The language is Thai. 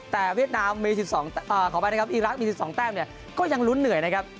แต่เวียดนามมีขออภัยนะครับอีรักษ์มี๑๒แต้มเนี่ยก็ยังลุ้นเหนื่อยนะครับ